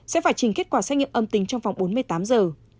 sẽ phải trình kết quả xét nghiệm âm tính trong vòng bốn mươi tám giờ